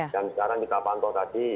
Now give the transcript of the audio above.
dan sekarang kita pantau tadi